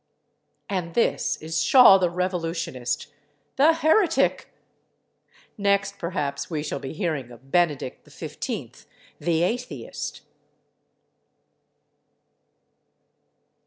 And this is Shaw the revolutionist, the heretic! Next, perhaps, we shall be hearing of Benedict XV, the atheist....